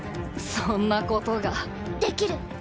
そんなことできる。